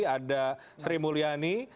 ada sri mulyani